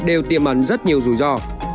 đều tiêm ẩn rất nhiều rủi ro